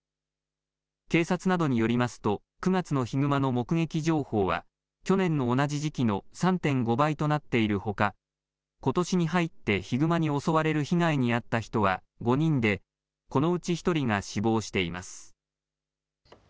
警察などによりますと９月のヒグマの目撃情報は去年の同じ時期の３．５倍となっているほかことしに入ってヒグマに襲われる被害に遭った人は５人でこのうち１人が死亡しています。